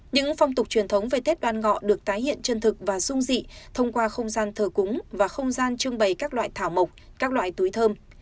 những phong tục truyền thống về tết đoan ngọ được tái hiện chân thực và dung dị thông qua không gian thờ cúng và không gian trưng bày các loại thảo mộc các loại túi thơm